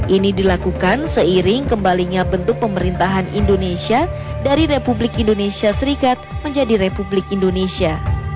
ini dilakukan seiring kembalinya bentuk pemerintahan indonesia dari republik indonesia serikat menjadi republik indonesia